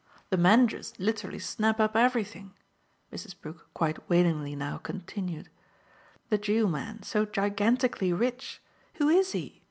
The Mangers literally snap up everything," Mrs. Brook quite wailingly now continued: "the Jew man, so gigantically rich who is he?